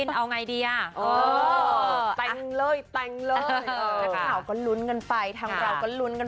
ถ้าถ้าปัจจุบันถามมินนะ